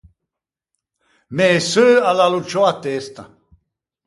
Mæ seu a l’à locciou a testa.